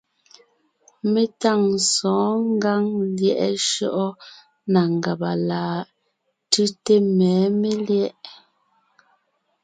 Mé tâŋ sɔ̌ɔn ngǎŋ lyɛ̌ʼ shyɔ́ʼɔ na ngàba láʼ? Tʉ́te mɛ̌ melyɛ̌ʼ.